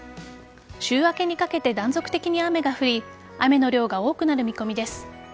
週明けにかけて断続的に雨が降り雨の量が多くなる見込みです。